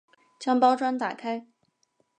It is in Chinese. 将包装打开